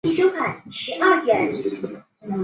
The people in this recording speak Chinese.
协助二度就业母亲